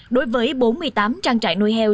đối với bốn mươi tám trang trại nuôi heo